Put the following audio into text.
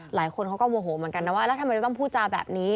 หลายคนเขาก็โมโหเหมือนกันนะว่าแล้วทำไมจะต้องพูดจาแบบนี้